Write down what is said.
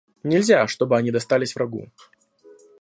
Нельзя, чтобы они достались врагу.